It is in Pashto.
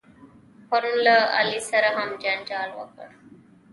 پرون له علي سره هم جنجال وکړ.